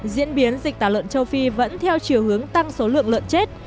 diễn biến dịch tả lợn châu phi vẫn theo chiều hướng tăng số lượng lợn chết